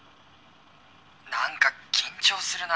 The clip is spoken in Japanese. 何か緊張するな。